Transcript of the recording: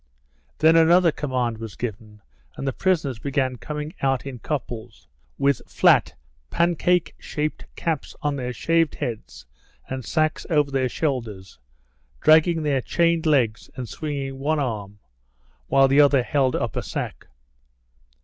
Then another command was given, and the prisoners began coming out in couples, with flat, pancake shaped caps on their shaved heads and sacks over their shoulders, dragging their chained legs and swinging one arm, while the other held up a sack.